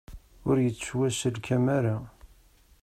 Ur yettwaselkam ara.